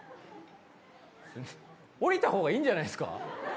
降りた方がいいんじゃないですか？